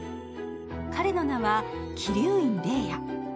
彼の名は、鬼龍院玲夜。